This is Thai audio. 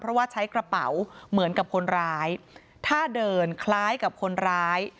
เพราะว่าใช้กระเป๋าเหมือนกับคนร้ายถ้าเดินคล้ายกับคนร้าย